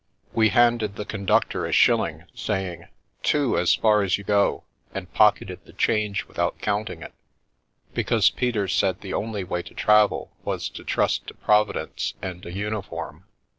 We handed the conductor a shilling, saying: "Two — as far as you go," and pocketed the change without counting it; because Peter said the only way to travel was to trust to Providence and a uniform.